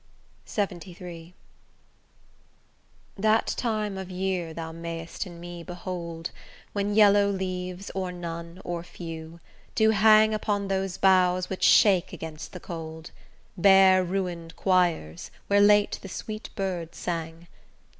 LXXIII That time of year thou mayst in me behold When yellow leaves, or none, or few, do hang Upon those boughs which shake against the cold, Bare ruin'd choirs, where late the sweet birds sang.